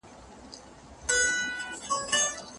د منفي عاداتو د پريښوولو تصميم څنګه نيول کيږي؟